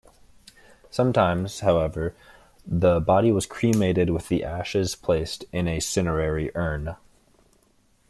Sometimes however the body was cremated with the ashes placed in a cinerary urn.